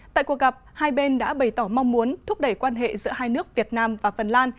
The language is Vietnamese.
tại cuộc gặp hai bên đã bày tỏ mong muốn thúc đẩy quan hệ giữa hai nước việt nam và phần lan